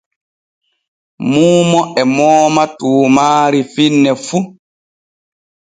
Muumo e mooma tuumaari finne fu.